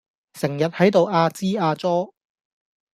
成日喺度阿支阿左